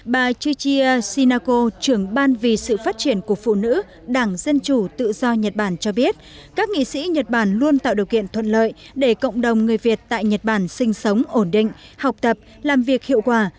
bà chichia sinako trưởng ban vì sự phát triển của phụ nữ đảng dân chủ tự do nhật bản cho biết các nghị sĩ nhật bản luôn tạo điều kiện thuận lợi để cộng đồng người việt tại nhật bản sinh sống ổn định học tập làm việc hiệu quả